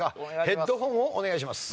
ヘッドホンをお願いします。